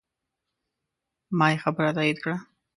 ما یې خبره تایید کړه.